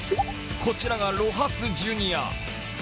こちらがロハス・ジュニア。